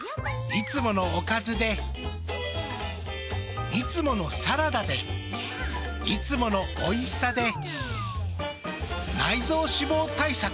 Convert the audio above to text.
いつものおかずでいつものサラダでいつものおいしさで内臓脂肪対策。